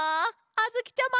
あづきちゃま！